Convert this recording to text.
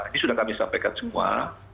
ini sudah kami sampaikan semua